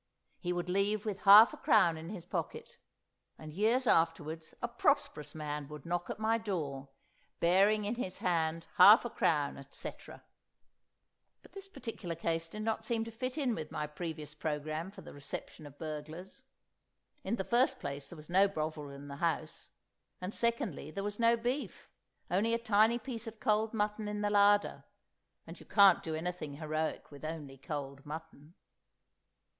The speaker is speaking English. He would leave with half a crown in his pocket. And years afterwards a prosperous man would knock at my door, bearing in his hand half a crown, etc. But this particular case did not seem to fit in with my previous programme for the reception of burglars. In the first place there was no Bovril in the house; and secondly, there was no beef, only a tiny piece of cold mutton in the larder—and you can't do anything heroic with only cold mutton.